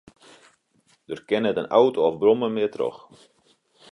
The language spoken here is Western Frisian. Der kin net in auto of in brommer mear troch.